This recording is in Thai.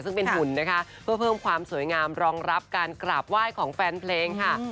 ซึ่งเป็นหุ่นนะคะเพื่อเพิ่มความสวยงามรองรับการกราบไหว้ของแฟนเพลงค่ะ